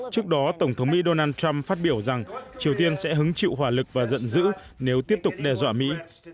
trước đó tổng thống mỹ donald trump phát biểu rằng triều tiên sẽ hứng chịu hỏa lực và giận dữ nếu tiếp tục đe dọa mỹ